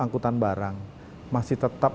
angkutan barang masih tetap